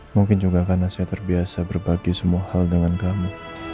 mungkin juga karena saya terbiasa berbagi semua hal dengan kamu